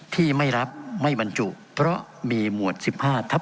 ที่ไม่รับไม่บรรจุเพราะมีหมวด๑๕ทับ